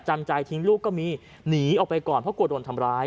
จำใจทิ้งลูกก็มีหนีออกไปก่อนเพราะกลัวโดนทำร้าย